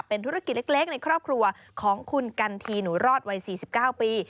เป็นธุรกิจเล็กในครอบครัวของคุณกันทีหนูรอดวัย๔๙ปี